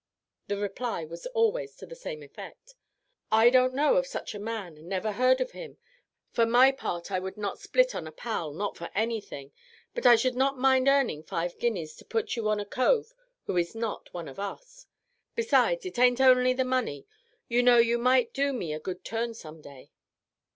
The reply was always to the same effect: "I don't know of such a man, and never heard of him. For my part, I would not split on a pal, not for anything; but I should not mind earning five guineas to put you on a cove who is not one of us. Besides, it aint only the money; you know, you might do me a good turn some day."